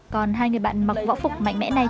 còn hai người bạn mặc võ phục mạnh mẽ này